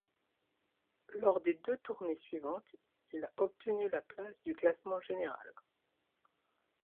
Lors des deux Tournées suivantes, il a obtenu la place du classement général.